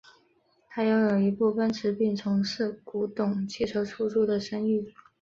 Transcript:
他拥有一部奔驰并从事古董汽车出租的生意。